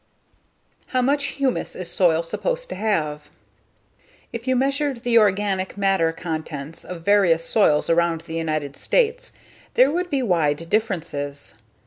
How Much Humus is Soil Supposed to Have? If you measured the organic matter contents of various soils around the United States there would be wide differences.